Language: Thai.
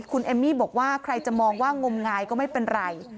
คุณเอมมี่บอกว่าใครจะมองว่างมงายก็ไม่เป็นไร